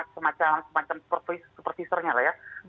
semacam supervisor nya lah ya